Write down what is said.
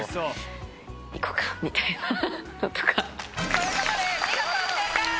ということで見事正解！